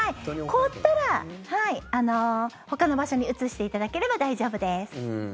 凍ったらほかの場所に移していただければ大丈夫です。